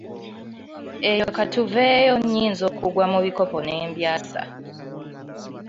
Eyo ka tuveeyo nnyinza okugwa mu bikopo ne mbyasa.